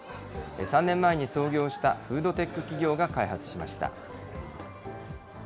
３年前に創業したフードテック企業が開発しました。